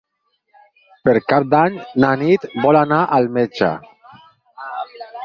Per Cap d'Any na Nit vol anar al metge.